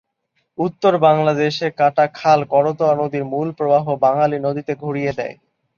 উত্তর বাংলাদেশে কাটা খাল করতোয়া নদীর মূল প্রবাহ বাঙ্গালী নদীতে ঘুরিয়ে দেয়।